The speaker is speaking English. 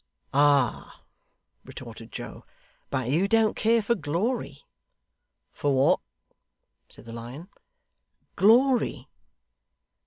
'Ah!' retorted Joe, 'but you don't care for glory.' 'For what?' said the Lion. 'Glory.